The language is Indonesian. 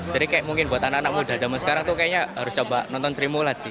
jadi kayak mungkin buat anak anak muda jaman sekarang tuh kayaknya harus coba nonton seri mulat sih